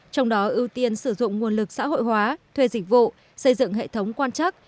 trong đó ưu tiên sử dụng nguồn lực xã hội hóa thuê dịch vụ xây dựng hệ thống quan chắc